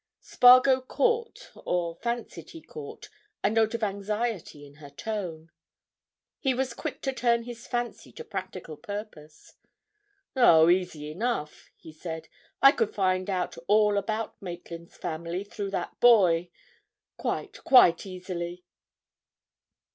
Spargo caught, or fancied he caught, a note of anxiety in her tone. He was quick to turn his fancy to practical purpose. "Oh, easy enough!" he said. "I could find out all about Maitland's family through that boy. Quite, quite easily!"